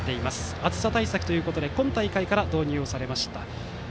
暑さ対策ということで今大会から導入されました。